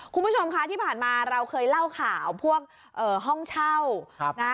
คุณผู้ชมคะที่ผ่านมาเราเคยเล่าข่าวพวกห้องเช่านะ